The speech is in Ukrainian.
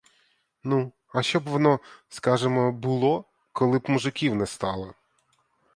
Ну, а що б воно, скажемо, було, коли б мужиків не стало?